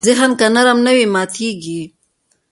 ذهن که نرم نه وي، ماتېږي.